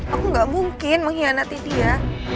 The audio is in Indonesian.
aku gak mungkin mengkhianati dia